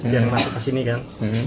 jangan masuk ke sini kan